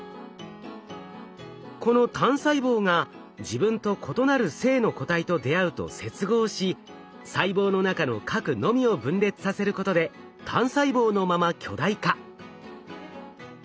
この単細胞が自分と異なる性の個体と出会うと接合し細胞の中の核のみを分裂させることで単細胞のまま巨大化。